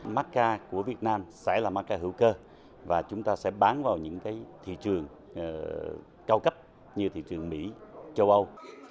macca của việt nam sẽ là maca hữu cơ và chúng ta sẽ bán vào những thị trường cao cấp như thị trường mỹ châu âu